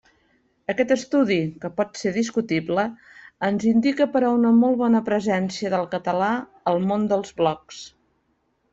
Aquest estudi, que pot ser discutible, ens indica però una molt bona presència del català al món dels blocs.